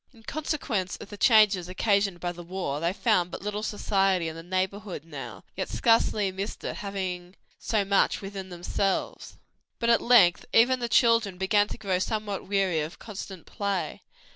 In consequence of the changes occasioned by the war, they found but little society in the neighborhood now, yet scarcely missed it; having so much within themselves. But at length even the children began to grow somewhat weary of constant play.